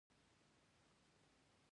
دښتې د افغانستان د سیاسي جغرافیه برخه ده.